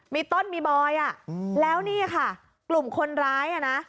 มีต้นมีบอยอ่ะแล้วนี่ค่ะกลุ่มคนร้ายอ่ะนะ